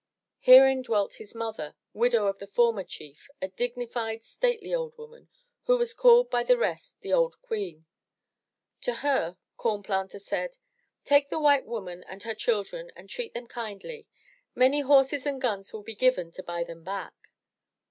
Herein dwelt his mother, widow of the former chief, a dignified, stately old woman, who was called by the rest the Old Queen. To her Corn Planter said: "Take the white woman and her children and treat them kindly. Many horses and guns will be given to buy them back."